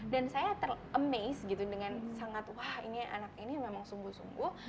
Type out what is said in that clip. dan saya ter amaze gitu dengan sangat wah ini anak ini memang sungguh sungguh